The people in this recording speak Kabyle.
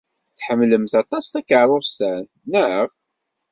Tḥemmlemt aṭas takeṛṛust-a, naɣ?